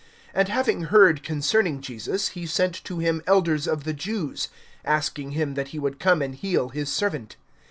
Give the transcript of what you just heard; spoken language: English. (3)And having heard concerning Jesus, he sent to him elders of the Jews, asking him that he would come and heal his servant.